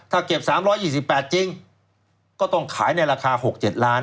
ถ้าเก็บ๓๒๘จริงก็ต้องขายในราคา๖๗ล้าน